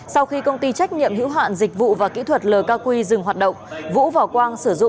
sau khi công ty trách nhiệm hữu hạn dịch vụ và kỹ thuật lkq dừng hoạt động